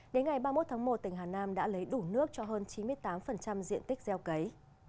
đến ngày ba mươi một tháng một tỉnh hà nam đã lấy đủ nước cho hơn chín mươi tám diện tích gieo cấy